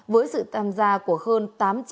với sự tham gia của hơn